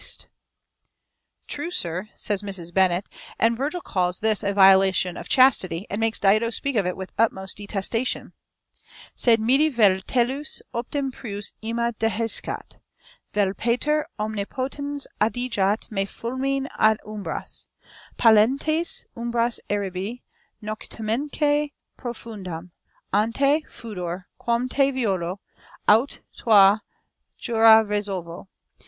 _ "True, sir," says Mrs. Bennet, "and Virgil calls this a violation of chastity, and makes Dido speak of it with the utmost detestation: _Sed mihi vel Tellus optem prius ima dehiscat Vel Pater omnipotens adigat me fulmine ad umbras, Pallentes umbras Erebi, noctemque profundam, Ante, fudor, quam te violo, aut tua jura resolvo.